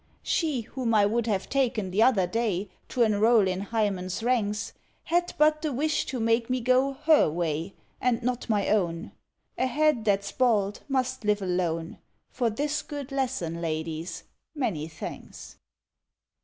She whom I would have taken t'other day To enroll in Hymen's ranks, Had but the wish to make me go her way, And not my own; A head that's bald must live alone: For this good lesson, ladies, many thanks."